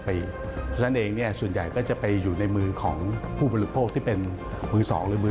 เพราะฉะนั้นเองส่วนใหญ่ก็จะไปอยู่ในมือของผู้บริโภคที่เป็นมือ๒หรือมือ